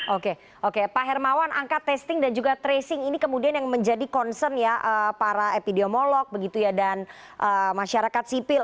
oke oke pak hermawan angka testing dan juga tracing ini kemudian yang menjadi concern ya para epidemiolog begitu ya dan masyarakat sipil